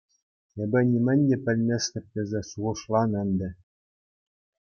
Эпӗ нимӗн те пӗлместӗп тесе шухӑшланӑ ӗнтӗ.